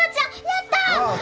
やった！